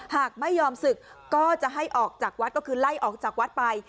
หากไม่ยอมศึกก็จะให้ออกจากวัดก็คือไล่ออกจากวัดไป